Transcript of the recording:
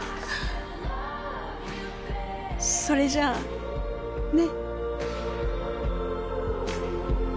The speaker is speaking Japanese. それじゃあね。